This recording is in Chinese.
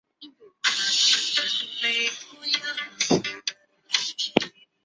加勒比海的气候受到墨西哥湾暖流及秘鲁寒流等洋流的影响。